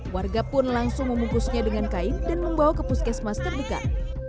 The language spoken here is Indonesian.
warga pun langsung membungkusnya dengan kain dan membawa ke puskesmas terdekat